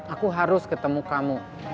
aku harus ketemu kamu